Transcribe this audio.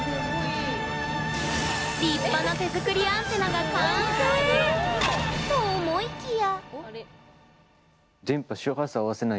立派な手作りアンテナが完成！と思いきや？